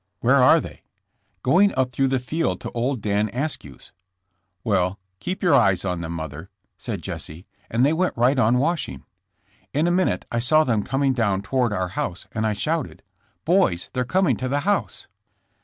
" 'Where are they?' " 'Going up through the field to old Dan As kew 's. '" 'Well, keep your eye on them, mother,' said Jesse, and they went right on washing. "In a minute I saw them coming down toward our house and I shouted: " 'Boys, they're coming to the house.'